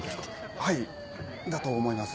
はいだと思います。